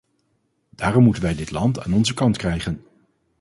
Daarom moeten wij dit land aan onze kant krijgen.